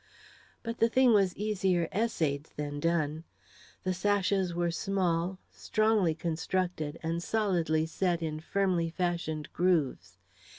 But the thing was easier essayed than done. The sashes were small, strongly constructed, and solidly set in firmly fashioned grooves.